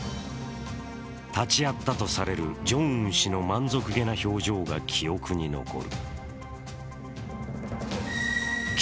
立ち会ったとされるジョンウン氏の満足げな表情が記憶に残る。